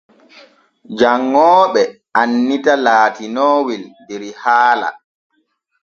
Janŋooɓe annita laatinoowel der haala.